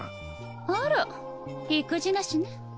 あら意気地なしね。